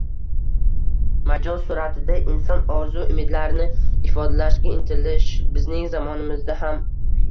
«Majoz suratida» inson orzu-umidlarini ifodalashga intilish bizning zamonimizda ham